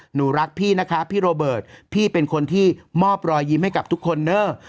หนูรักพี่นะคะพี่โรเบิร์ตพี่เป็นคนที่มอบรอยยิ้มให้กับทุกคนเนอะ